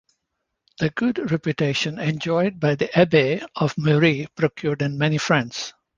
The good reputation enjoyed by the Abbey of Muri procured it many friends.